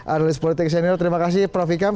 analis politik senior terima kasih profi kam